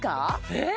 えっ？